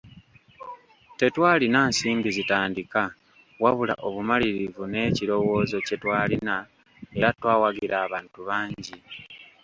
Tetwalina nsimbi zitandika wabula obumalirivu n'ekirowoozo kye twalina era twawagirwa abantu bangi.